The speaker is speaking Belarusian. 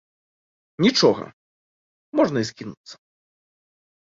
Нічога, можна і скінуцца.